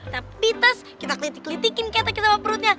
tapi terus kita ketik ketikin keteki sama perutnya